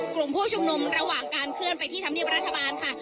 กลุ่มผู้ชุมนุมระหว่างการเคลื่อนไปที่ธรรมเนียบรัฐบาลค่ะ